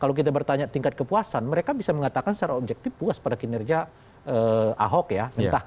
kalau kita bertanya tingkat kepuasan mereka bisa mengatakan secara objektif puas pada kinerja ahok ya